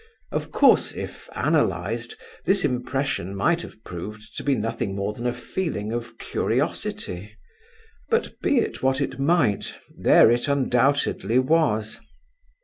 Of course, if analyzed, this impression might have proved to be nothing more than a feeling of curiosity; but be it what it might, there it undoubtedly was.